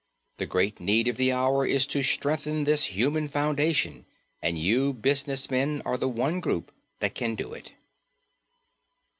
The great need of the hour is to strengthen this human foundation and you business men are the one group that can do it.